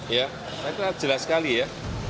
ya saya kira jelas sekali ya